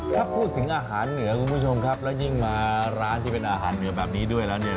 ถ้าพูดถึงอาหารเหนือคุณผู้ชมครับแล้วยิ่งมาร้านที่เป็นอาหารเหนือแบบนี้ด้วยแล้วเนี่ย